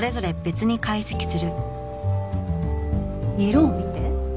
色を見て。